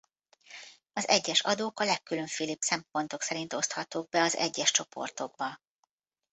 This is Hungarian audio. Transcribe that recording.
Az egyes adók a legkülönfélébb szempontok szerint oszthatók be az egyes csoportokba.